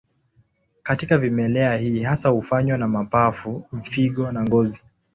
Katika vimelea hii hasa hufanywa na mapafu, figo na ngozi.